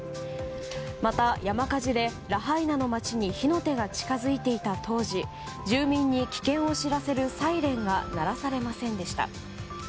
また、山火事でラハイナの町に火の手が近づいていた当時住民に危険を知らせるサイレンが鳴らされませんでした。